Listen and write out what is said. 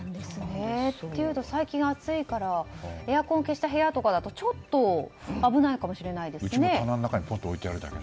最近暑いからエアコンを消した部屋だとちょっと危ないかもしれないですね。